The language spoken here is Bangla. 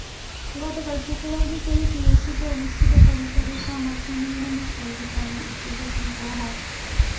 গতকাল শুক্রবার বিকেলে টিএসসিতে অনুষ্ঠিত পরিষদের সংবাদ সম্মেলনে বিস্তারিত কর্মসূচি ঘোষণা করা হয়।